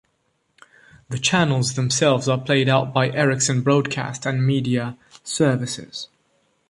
The channels themselves are played out by Ericsson Broadcast and Media Services.